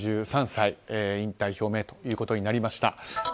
３３歳、引退表明ということになりました。